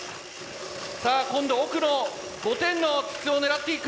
さあ今度奥の５点の筒を狙っていく。